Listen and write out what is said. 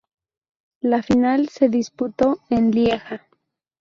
La final se disputó en Lieja.